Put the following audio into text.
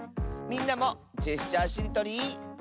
みんなも「ジェスチャーしりとり」。